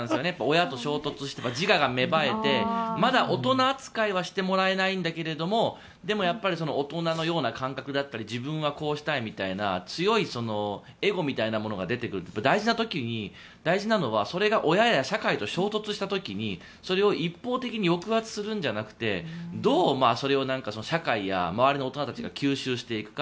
親と衝突して自我が芽生えてまだ大人扱いはしてもらえないんだけどでも、大人のような感覚だったり自分はこうしたいというような強いエゴみたいなものが出てくる大事な時に大事なのはそれが親や社会と衝突した時にそれを一方的に抑圧するんじゃなくてどう、それを社会や周りの大人たちが吸収していくか。